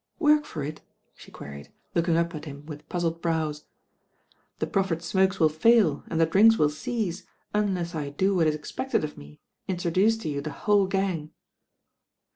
"Work for it?" she queried, looking up at him with puzzled brows. "The proffered smokes will fail and the drinks wiU cease Uiilcss I do what is expected of me, intro duce to you the whole gang."